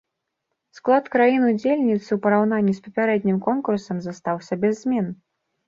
Склад краін-удзельніц у параўнанні з папярэднім конкурсам застаўся без змен.